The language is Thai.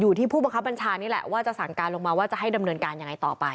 อยู่ที่พูดบังคับปัญชานี่แหละจะสั่งการจะให้ดำเนินการอย่างนั้นต่อไป